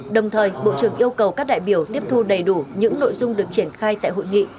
đồng thời bộ trưởng yêu cầu các đại biểu tiếp thu đầy đủ những nội dung được triển khai tại hội nghị